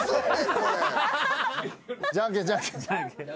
じゃんけんじゃんけん。